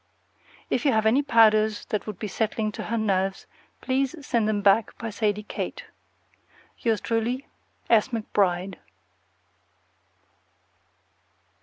If you have any powders that would be settling to her nerves, please send them back by Sadie Kate. Yours truly, S. McBRIDE.